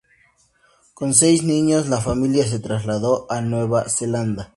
Con seis niños, la familia se trasladó a Nueva Zelanda.